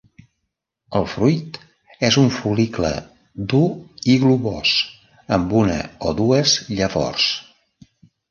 El fruit és un fol·licle dur i globós amb una o dues llavors.